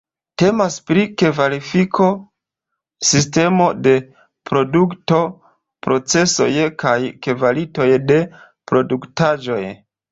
Temas pri kvalifiko-sistemo de produkto-procesoj kaj kvalitoj de produktaĵoj.